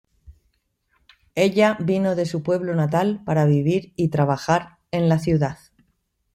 Ella vino de su pueblo natal para vivir y trabajar en la ciudad.